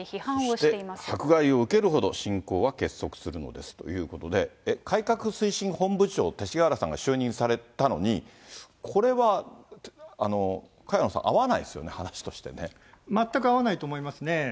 そして迫害を受けるほど、信仰は結束するのですということで、改革推進本部長、勅使河原さんが就任されたのに、これは萱野さん、全く合わないと思いますね。